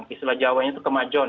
istilah jawanya itu kemajon